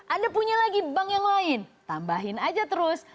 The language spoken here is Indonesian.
anda punya lagi bank yang lain tambahin aja terus